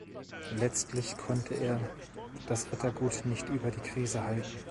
Letztlich konnte er das Rittergut nicht über die Krise halten.